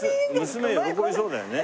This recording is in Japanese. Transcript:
娘喜びそうだよね。